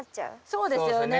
そうですよね。